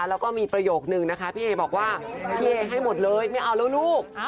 แล้วก็มีประโยคนึงนะคะพี่เอบอกว่าพี่เอให้หมดเลยไม่เอาแล้วลูก